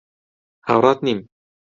هاوڕات نیم.